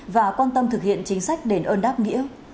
và quan tâm thực hiện chính sách đền ơn đáp nghĩa